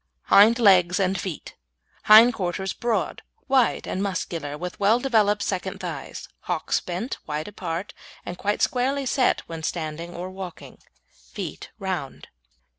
HIND LEGS AND FEET Hind quarters broad, wide, and muscular, with well developed second thighs, hocks bent, wide apart, and quite squarely set when standing or walking. Feet round.